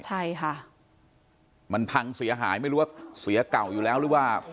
ใช่ค่ะมันพังเสียหายไม่รู้ว่าเสียเก่าอยู่แล้วหรือว่า